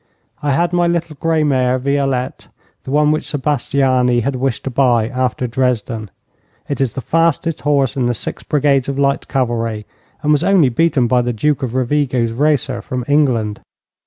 I had my little grey mare, Violette, the one which Sebastiani had wished to buy after Dresden. It is the fastest horse in the six brigades of light cavalry, and was only beaten by the Duke of Rovigo's racer from England.